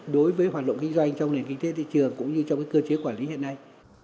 đối với hoạt động kinh doanh trong nền kinh tế thị trường cũng như trong cơ chế quản lý hiện nay